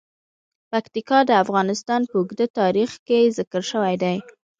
پکتیکا د افغانستان په اوږده تاریخ کې ذکر شوی دی.